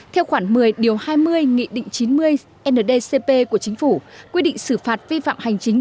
theo khoản một mươi điều hai mươi nghị định chín mươi ndcp của chính phủ quy định xử phạt vi phạm hành chính